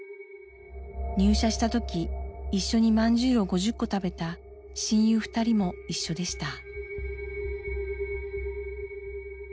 入社した時一緒にまんじゅうを５０個食べた親友２人も一緒でした。